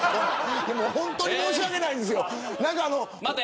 本当に申し訳ないんです。